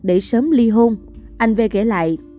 để sớm ly hôn anh v kể lại